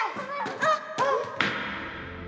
あっ！